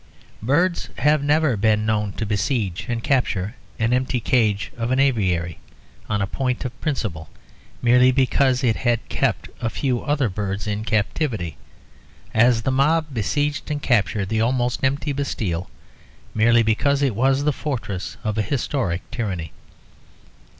Birds have never been known to besiege and capture an empty cage of an aviary, on a point of principle, merely because it had kept a few other birds in captivity, as the mob besieged and captured the almost empty Bastille, merely because it was the fortress of a historic tyranny.